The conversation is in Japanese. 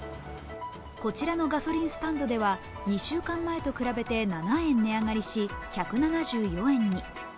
こちらのガソリンスタンドでは２週間前と比べて７円値上がりし、１７４円に。